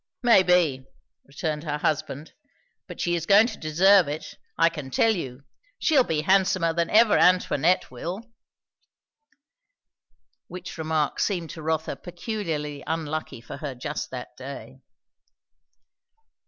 "Maybe," returned her husband; "but she is going to deserve it, I can tell you. She'll be handsomer than ever Antoinette will." Which remark seemed to Rotha peculiarly unlucky for her just that day.